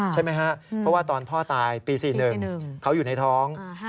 ใช่ไหมครับเพราะว่าตอนพ่อตายปี๔๑เขาอยู่ในท้อง